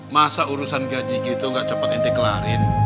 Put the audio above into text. masa urusan gaji gitu nggak cepet intik larin